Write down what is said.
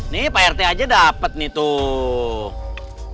nih pak rete aja dapet nih tuh